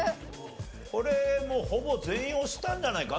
これもうほぼ全員押したんじゃないか？